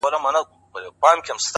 o په ورځ کي سل ځلي ځارېدله ـ